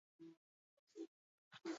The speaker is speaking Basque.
Zutabeak bere tokian jarraitzen du.